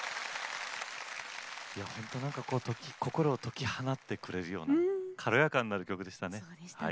本当心を解き放ってくれるような軽やかになる曲でしたね。